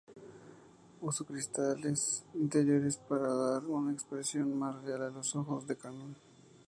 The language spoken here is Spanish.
Usó cristales interiores para dar una expresión más real a los ojos del Kannon.